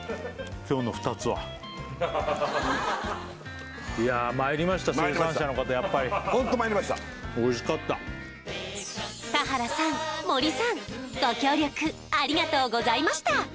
今日の２つはいや参りました生産者の方やっぱりホント参りました美味しかった田原さん森さんご協力ありがとうございました！